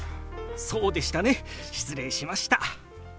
そうでしたね失礼しました。